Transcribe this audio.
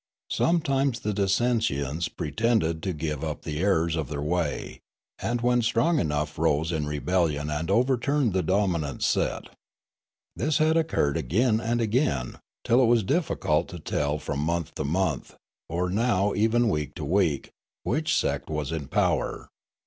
Sometimes the dissentients pretended to give up the errors of their way, and when strong enough rose in rebellion and overturned the dominant set. This had occurred again and again, till it was difficult to tell from month to month, or now even week to week, which sect was in power.